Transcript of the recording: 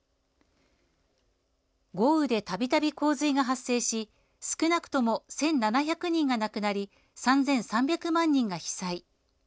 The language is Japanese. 豪雨で度々、洪水が発生し少なくとも１７００人が亡くなり３３００万人が被災。